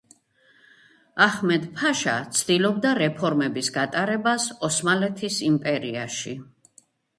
აჰმედ-ფაშა ცდილობდა რეფორმების გატარებას ოსმალეთის იმპერიაში.